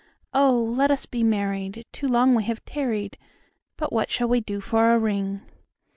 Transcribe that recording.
Oh! let us be married; too long we have tarried: But what shall we do for a ring?"